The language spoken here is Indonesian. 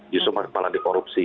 di sumatera malah dikorupsi